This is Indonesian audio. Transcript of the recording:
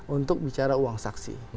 untuk bicara uang saksi